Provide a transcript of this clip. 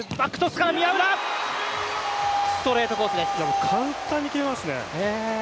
もう簡単に決めますね。